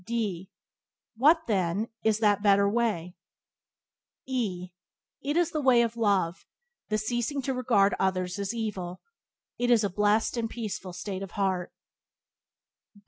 D What, then, is that better way? E It is the way of Love; the ceasing to regard others as evil. It is a blessed and peaceful state of heart.